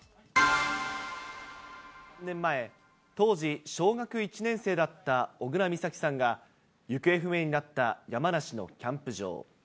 当時小学１年生だった小倉美咲さんが、行方不明になった山梨のキャンプ場。